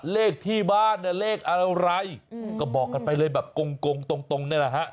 เลขที่บ้านเนี่ยเลขอะไรก็บอกกันไปเลยแบบกงตรงนี่แหละฮะ